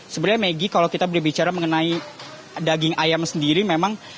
sebenarnya megi kalau kita berbicara mengenai daging ayam sendiri memang